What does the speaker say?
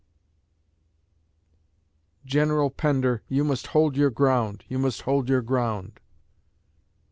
B. General Pender, you must hold your ground, you must hold your ground.